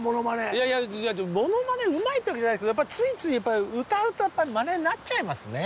いやいやモノマネうまいってわけじゃないですけどついついやっぱり歌歌うとマネになっちゃいますね。